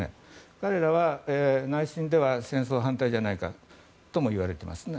彼らは内心では戦争反対じゃないかともいわれていますね。